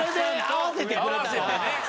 合わせてね。